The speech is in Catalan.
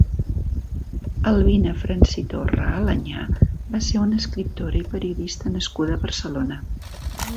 Albina Francitorra Aleñà va ser una escriptora i periodista nascuda a Barcelona.